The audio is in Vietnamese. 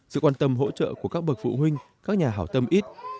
sự quan tâm hỗ trợ của các bậc phụ huynh các nhà hảo tâm ít